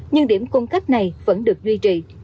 nhưng điểm cung cấp này vẫn được duy trì